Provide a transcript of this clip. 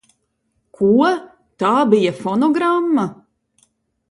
Ko? Tā bija fonogramma?